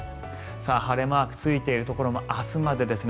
晴れマークついているところも明日までですね。